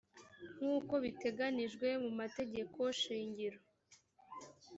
nkuko biteganijwe mu mategeko shingiro